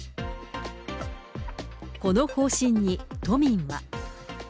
この方針に、都民は。